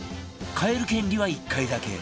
買える権利は１回だけ